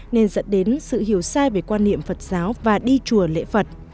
nên dẫn đến sự hiểu sai về quan niệm phật giáo và đi chùa lễ phật